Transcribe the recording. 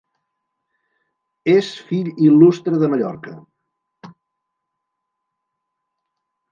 És fill il·lustre de Mallorca.